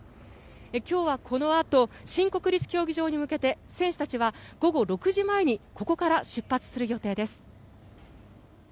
今日はこのあと新国立競技場に向けて選手たちは午後６時前にここから出発する予定です。